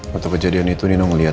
waktu kejadian itu nino melihat